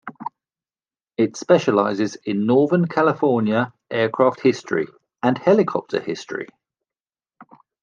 It specializes in Northern California aircraft history and helicopter history.